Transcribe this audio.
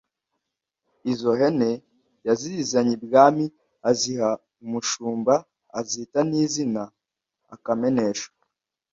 Izo hene yazizanye ibwami aziha umushumba azita n’izina Akamenesho